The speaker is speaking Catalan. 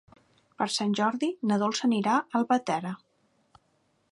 Per Sant Jordi na Dolça anirà a Albatera.